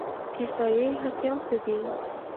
احصایې حساسې دي.